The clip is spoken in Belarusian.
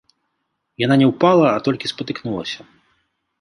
Яна не ўпала, а толькі спатыкнулася.